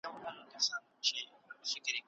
تجربه له کتابونو نه، بلکې په عمل کې ترلاسه کېږي.